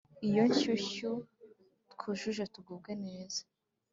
Iyo nshyushyu twijute tugubwe neza.